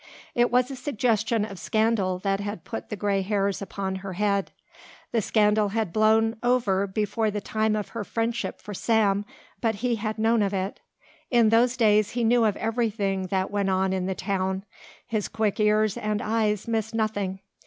It was a suggestion of scandal that had put the grey hairs upon her head. The scandal had blown over before the time of her friendship for Sam, but he had known of it. In those days he knew of everything that went on in the town his quick ears and eyes missed nothing.